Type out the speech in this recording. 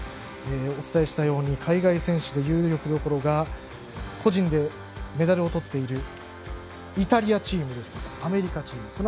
お伝えしたように海外選手で有力どころが個人でメダルをとっているイタリアチームやアメリカチーム。